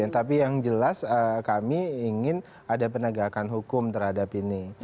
tapi yang jelas kami ingin ada penegakan hukum terhadap ini